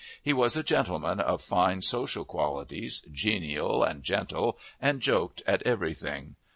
He was a gentleman of fine social qualities, genial and gentle, and joked at every thing.